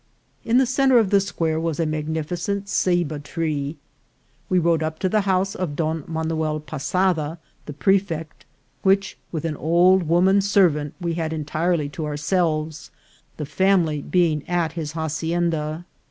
In the centre of the square was a magnificent Ceiba tree. We rode up to the house of Don Manuel Pasada, the prefet, which, with an old woman servant, we had. entirely to ourselves, the family being at his hacienda.